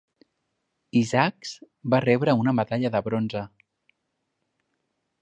Isaacs va rebre una medalla de bronze.